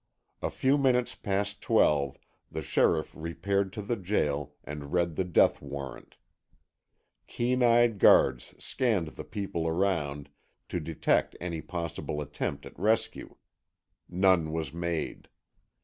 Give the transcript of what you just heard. A few minutes past twelve the sheriff repaired to the jail and read the death warrant. Keen eyed guards scanned the people around to detect any possible attempt at rescue. None was made.